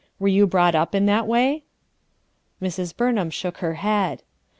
Were you brought up in that way?" ' Mrs. Burnham shook her head.